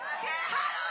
ハロー！